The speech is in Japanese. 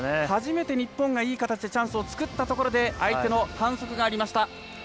初めて日本がいい形でチャンスを作ったところ相手の反則がありました。